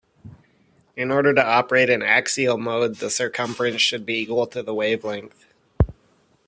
In order to operate in axial-mode, the circumference should be equal to the wavelength.